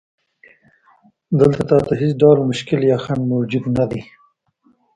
دلته تا ته هیڅ ډول مشکل یا خنډ موجود نه دی.